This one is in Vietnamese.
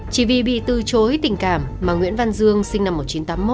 chỉ vì bị từ chối tình cảm mà nguyễn văn dương sinh năm một nghìn chín trăm tám mươi một